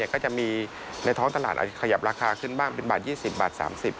ก็จะมีในท้องตลาดอาจจะขยับราคาขึ้นบ้างเป็นบาท๒๐บาท๓๐